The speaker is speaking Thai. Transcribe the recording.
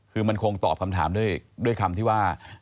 คือมันคงตอบคำถามด้วยคำที่ว่า